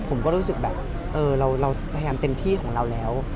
ผมก็รู้สึกแบบเราพยายามเต็มที่ของเราแล้ว